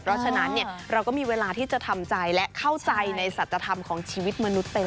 เพราะฉะนั้นเราก็มีเวลาที่จะทำใจและเข้าใจในสัจธรรมของชีวิตมนุษย์เต็ม